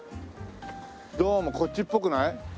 どうもこっちっぽくない？